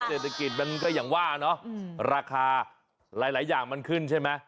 เศรษฐกิจมันก็อย่างว่าเนาะราคาหลายอย่างมันขึ้นใช่ไหม